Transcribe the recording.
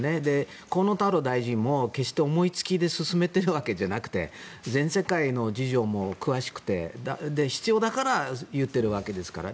河野太郎大臣も決して思いつきで進めているわけではなくて全世界の事情も詳しくて必要だから言っているわけですから。